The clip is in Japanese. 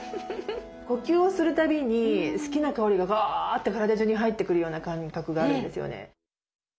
呼吸をするたびに好きな香りがバーッて体じゅうに入ってくるような感覚があるんですよね。